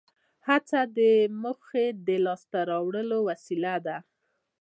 هڅه د موخې د لاس ته راوړلو وسیله ده.